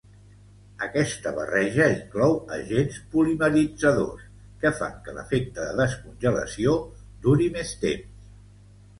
Aquesta barreja inclou agents polimeritzadors, que fan que l'efecte de descongelació duri més temps.